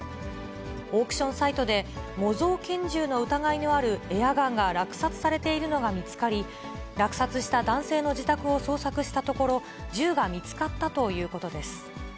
オークションサイトで、模造拳銃の疑いのあるエアガンが落札されているのが見つかり、落札した男性の自宅を捜索したところ、銃が見つかったということです。